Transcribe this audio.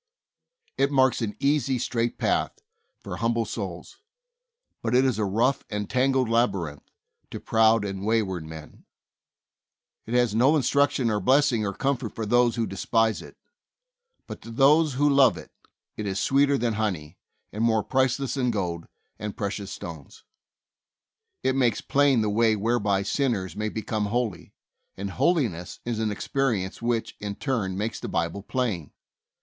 It marks an easy, straight path for hum ble souls, but it is a rough and tangled labyrinth to proud and wayward men. It has no instruction, or blessing, or comfort for those who despise it, but to those who love it it is sweeter than honey, and more priceless than gold and precious stones. It makes plain the way whereby sinners may become holy, and holiness is an experi ence which, in turn, makes the Bible plain.